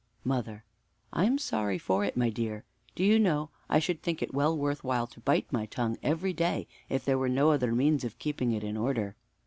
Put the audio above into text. Mother. I am sorry for it, my dear. Do you know, I should think it well worth while to bite my tongue every day if there were no other means of keeping it in order.